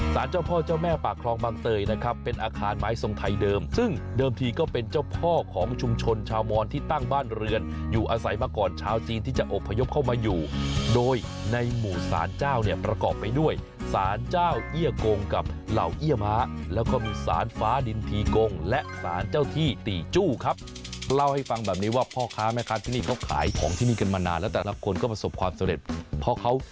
สารเจ้าพ่อเจ้าแม่ปากคลองบางเตยนะครับเป็นอาคารไม้ทรงไทยเดิมซึ่งเดิมทีก็เป็นเจ้าพ่อของชุมชนชาวมอนที่ตั้งบ้านเรือนอยู่อาศัยมาก่อนชาวจีนที่จะอบพยพเข้ามาอยู่โดยในหมู่สารเจ้าเนี่ยประกอบไปด้วยสารเจ้าเอี้ยโกงกับเหล่าเอี้ยม้าแล้วก็มีสารฟ้าดินทีโกงและสารเจ้าที่ติจู้ครับเล่าให้ฟังแบ